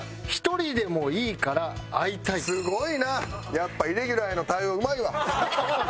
やっぱイレギュラーへの対応うまいわ。